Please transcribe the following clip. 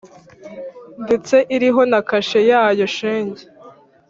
ndetse iriho na kashe yayo shenge